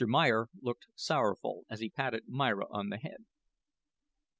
Meyer looked sorrowful, as he patted Myra on the head.